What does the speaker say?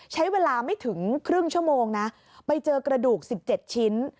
ใช้เวลาไม่ถึงครึ่งชั่วโมงนะไปเจอกระดูก๑๗ชิ้น